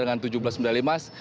dengan tujuh belas medali emas